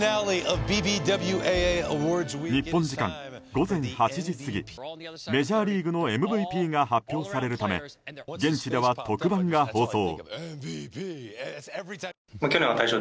日本時間午前８時過ぎメジャーリーグのＭＶＰが発表されるため現地では特番が放送。